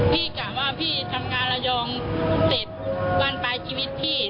พี่กลับว่าพี่ทำงานระยองเสร็จวันปลายชีวิตพี่